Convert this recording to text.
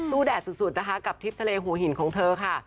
แดดสุดนะคะกับทริปทะเลหัวหินของเธอค่ะ